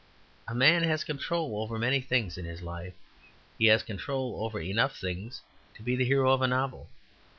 A man has control over many things in his life; he has control over enough things to be the hero of a novel.